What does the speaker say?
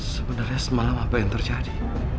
sebenarnya semalam apa yang terjadi